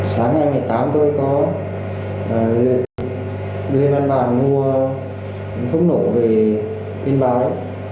sáng ngày một mươi tám tôi có đưa lên bàn bàn mua thuốc nổ về yên bái